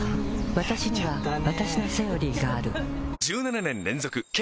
わたしにはわたしの「セオリー」がある１７年連続軽